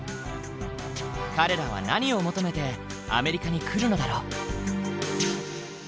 彼らは何を求めてアメリカに来るのだろう？